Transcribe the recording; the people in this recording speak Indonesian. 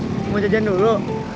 mau jajan dulu